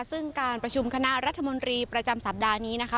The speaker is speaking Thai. ซึ่งการประชุมคณะรัฐมนตรีประจำสัปดาห์นี้นะคะ